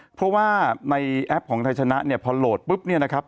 เพราะว่าในแอปของไทยชนะเนี่ยพอโหลดปุ๊บเนี่ยนะครับ